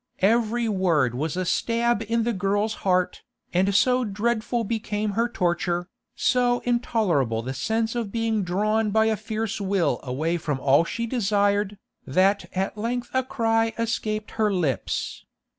Every word was a stab in the girl's heart, and so dreadful became her torture, so intolerable the sense of being drawn by a fierce will away from all she desired, that at length a cry escaped her lips.